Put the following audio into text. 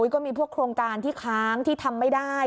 ก็มีพวกโครงการที่ค้างที่ทำไม่ได้